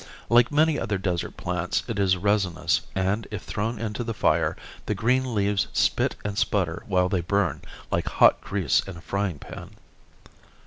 Like many other desert plants it is resinous and if thrown into the fire, the green leaves spit and sputter while they burn like hot grease in a frying pan.